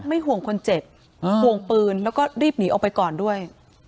ห่วงคนเจ็บห่วงปืนแล้วก็รีบหนีออกไปก่อนด้วย